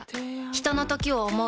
ひとのときを、想う。